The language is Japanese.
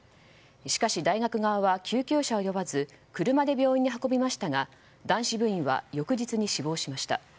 しかし、大学側は救急車を呼ばず車で病院に運びましたが男子部員は翌日に死亡しました。